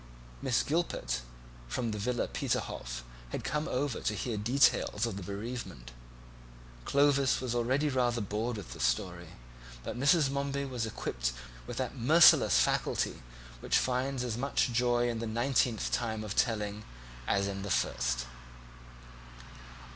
Miss Gilpet, from the Villa Peterhof, had come over to hear details of the bereavement. Clovis was already rather bored with the story, but Mrs. Momeby was equipped with that merciless faculty which finds as much joy in the ninetieth time of telling as in the first.